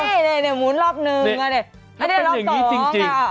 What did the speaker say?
เนี่ยหมุนรอบหนึ่งอันนี้รอบสอง